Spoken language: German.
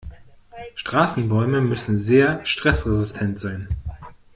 Straßenbäume müssen sehr stressresistent sein.